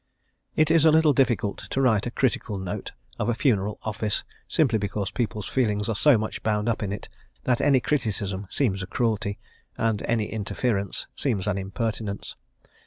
It is a little difficult to write a critical notice of a funeral office, simply because people's feelings are so much bound up in it that any criticism seems a cruelty, and any interference seems an impertinence.